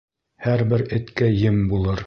Һәр бер эткә ем булыр.